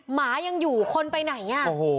หมายังอยู่คนไปไหน